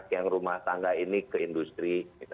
yang rumah tangga ini ke industri